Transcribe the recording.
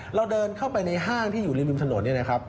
เราเดินเข้าไปในห้างที่อยู่ริมถนนเนี่ยนะครับ